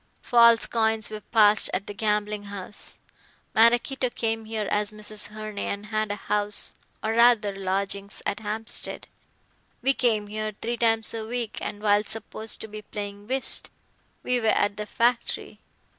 False coins were passed at the gambling house. Maraquito came here as Mrs. Herne and had a house or rather lodgings at Hampstead. We came here three times a week, and while supposed to be playing whist, we were at the factory.